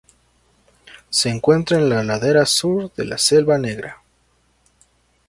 Se encuentra en la ladera sur de la Selva Negra.